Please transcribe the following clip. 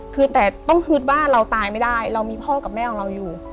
คือแต่ต้องฮึดว่าเราตายไม่ได้เรามีพ่อกับแม่ของเราอยู่